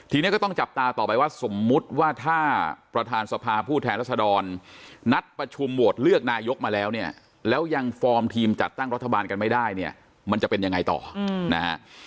ทีนี้ก็ต้องจับตาต่อไปว่าสมมุติว่าถ้าประธานสภาผู้แทนรัศดรนัดประชุมโหวตเลือกนายกมาแล้วเนี่ยแล้วยังฟอร์มทีมจัดตั้งรัฐบาลกันไม่ได้เนี่ยมันจะเป็นยังไงต่อนะฮะ